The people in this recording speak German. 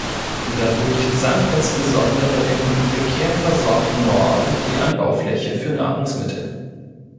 Dadurch sank insbesondere im prekär versorgten Norden die Anbaufläche für Nahrungsmittel.